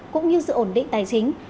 cũng như sự ổn định tài chính